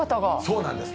そうなんです。